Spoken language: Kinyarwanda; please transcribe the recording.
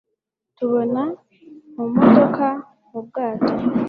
Tukubona mu modoka, mu bwato,